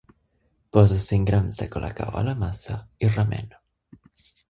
Posa cent grams de colacao a la massa i remena.